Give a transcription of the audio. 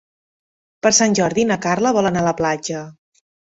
Per Sant Jordi na Carla vol anar a la platja.